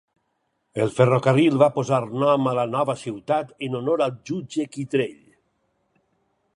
El ferrocarril va posar nom a la nova ciutat en honor al jutge Kittrell.